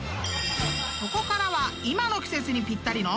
［ここからは今の季節にぴったりの］